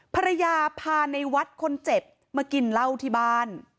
ภรรยาพาในวัดคนเจ็บมากินเหล้าที่บ้าน